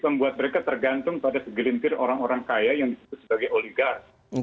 membuat mereka tergantung pada segelintir orang orang kaya yang disebut sebagai oligar